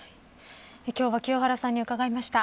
今日は清原さんに伺いました。